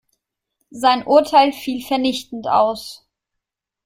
Sein Urteil fiel vernichtend aus.